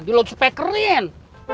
di load spakerin